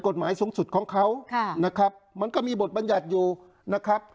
กฎหมายสูงสุดของเขานะครับมันก็มีบทบัญญัติอยู่นะครับ